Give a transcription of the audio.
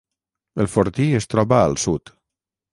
El fortí es troba al sud.